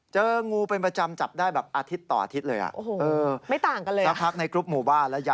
เจองูเป็นประจำจับได้อาทิตย์ต่ออาทิตย์